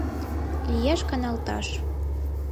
Лиеш каналташ.